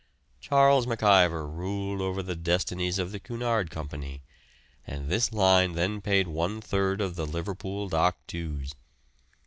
Charles MacIver ruled over the destinies of the Cunard Company, and this line then paid one third of the Liverpool dock dues.